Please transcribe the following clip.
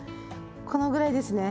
このぐらいですね。